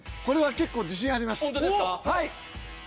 これは結構自信あります。